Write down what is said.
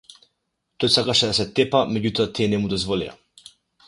Тој сакаше да се тепа меѓутоа тие не му дозволија.